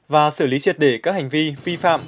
và xử lý triệt để các hành vi vi phạm